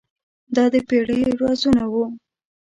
دا د پیړیو رازونه وو.